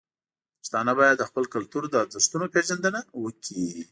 پښتانه باید د خپل کلتور د ارزښتونو پیژندنه وکړي.